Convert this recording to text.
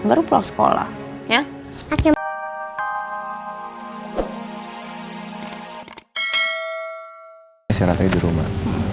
baru pulang sekolah